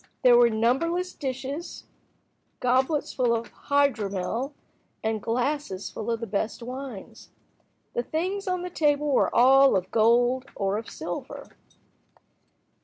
There were numberless dishes, goblets full of hydromel, and glasses full of the best wines. The things on the table were all of gold or of silver.